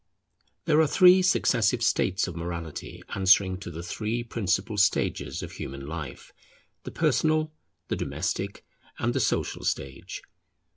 There are three successive states of morality answering to the three principal stages of human life; the personal, the domestic, and the social stage.